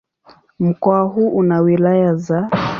Mkoa huu una wilaya za